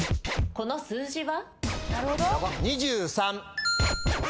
この数字は？